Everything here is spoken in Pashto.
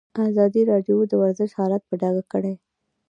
ازادي راډیو د ورزش حالت په ډاګه کړی.